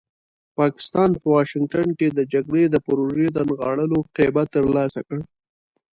پاکستان په واشنګټن کې د جګړې د پروژې د نغاړلو قیمت ترلاسه کړ.